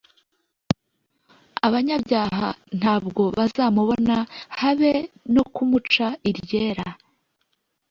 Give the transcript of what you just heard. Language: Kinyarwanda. Abanyabyaha ntabwo bazamubona habe no kumuca iryera